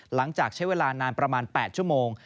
หลังจากใช้เวลานานประมาณ๘ชั่วโมง